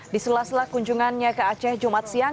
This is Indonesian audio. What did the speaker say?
di sela sela kunjungannya ke aceh jumat siang